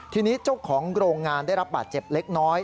ทีนี้เจ้าของโรงงานได้รับบาดเจ็บเล็กน้อย